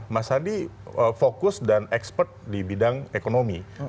mas hadi fokus dan expert di bidang ekonomi